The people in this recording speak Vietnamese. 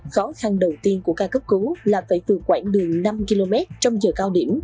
khó khăn đầu tiên của ca cấp cứu là phải vượt quãng đường năm km trong giờ cao điểm